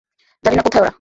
জানি না কোথায় ওরা।